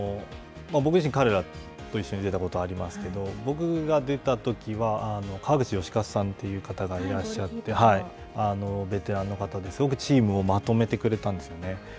僕自身、彼らと一緒に出たことがありますけど、僕が出たときは、川口能活さんという方がいらっしゃって、ベテランの方で、すごくチームをまとめてくれたんですよね。